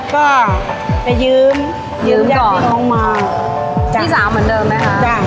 ก็ไปยืมยืมก่อนน้องมาพี่สาวเหมือนเดิมนะคะ